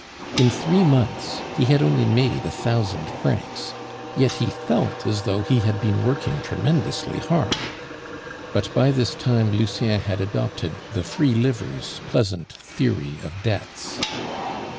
In three months he had only made a thousand francs, yet he felt as though he had been working tremendously hard. But by this time Lucien had adopted the "free livers" pleasant theory of debts.